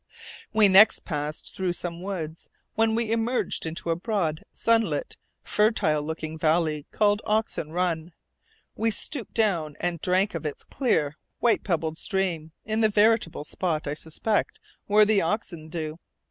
We next passed through some woods, when we emerged into a broad, sunlit, fertile looking valley, called Oxen Run. We stooped down and drank of its clear white pebbled stream, in the veritable spot, I suspect, where the oxen do.